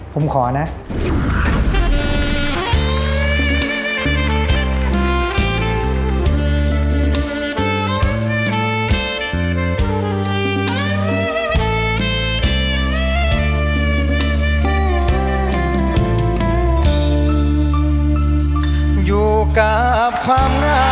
ผมขอนะ